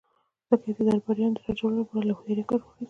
ځکه يې د درباريانو د را جلبولو له پاره له هوښياری کار واخيست.